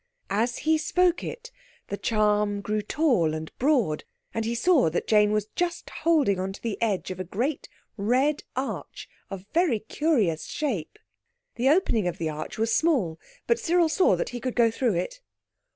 As he spoke it the charm grew tall and broad, and he saw that Jane was just holding on to the edge of a great red arch of very curious shape. The opening of the arch was small, but Cyril saw that he could go through it.